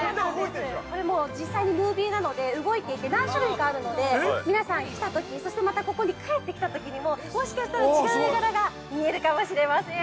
◆これ実際にムービーなので、動いていて、何種類かあるので、皆さん来たとき、そしてまた、ここに帰ってきたときにももしかしたら違う絵柄が見えるかもしれません。